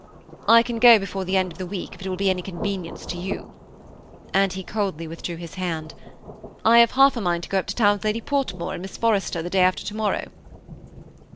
" I can go before the end of the week if it will be any convenience to you ;" and he coldly withdrew his hand. " I have half a mind to go up to town with Llidy Portmore and Miss Forrester, the day after to morrow."